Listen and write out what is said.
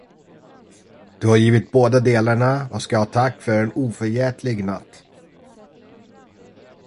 Du har givit båda delarna och skall ha tack för en oförgätlig natt.